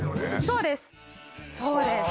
そうですそうです